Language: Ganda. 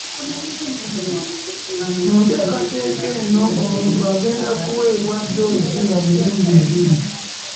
Mu nteekateeka eno omuntu agenda kuweebwa ddoozi ya mirundi ebiri